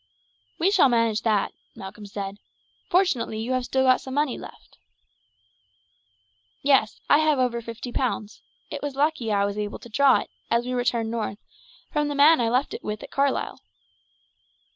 "We shall manage that," Malcolm said; "fortunately you have still got some money left." "Yes, I have over fifty pounds; it was lucky I was able to draw it, as we returned north, from the man I left it with at Carlisle."